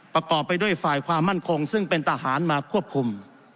ประกอบไปด้วยฝ่ายความมั่นคงซึ่งเป็นทหารมาควบคุม